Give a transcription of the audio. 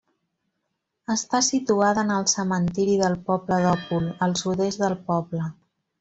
Està situada en el cementiri del poble d'Òpol, al sud-est del poble.